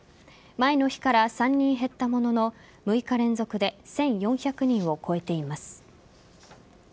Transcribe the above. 前の日から３人減ったものの６日連続で１４００人を超えています。